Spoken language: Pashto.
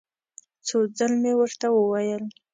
څو ځل مې ورته وویل.